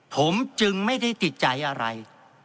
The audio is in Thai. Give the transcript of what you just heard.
ผมจึงไม่ได้ติดใจอะไร